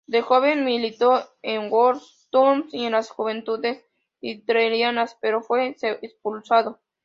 De joven, militó en Volkssturm y en las Juventudes Hitlerianas, pero fue expulsado.